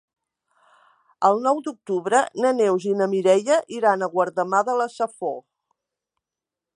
El nou d'octubre na Neus i na Mireia iran a Guardamar de la Safor.